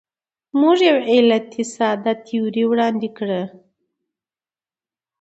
موږ یو علتي ساده تیوري وړاندې کړې.